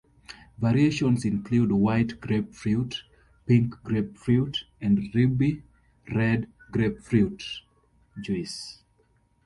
Variations include white grapefruit, pink grapefruit and ruby red grapefruit juice.